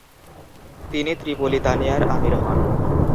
তিনি ত্রিপলিতানিয়ার আমির হন।